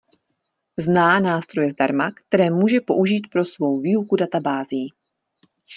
Zná nástroje zdarma, které může použít pro svou výuku databází.